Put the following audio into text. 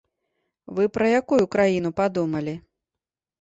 Вы пра якую краіну падумалі?